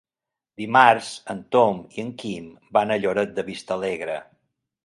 Dimarts en Tom i en Quim van a Lloret de Vistalegre.